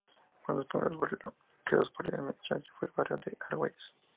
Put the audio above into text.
Uno de los primeros barrios creados por el Ensanche fue el barrio de Argüelles.